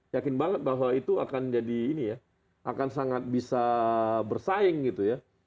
yakin banget bahwa itu akan jadi ini ya akan sangat bisa bersaing gitu ya